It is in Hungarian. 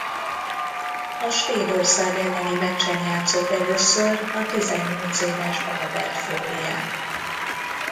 A Svédország elleni meccsen játszott először a tizennyolc éves Albert Flórián.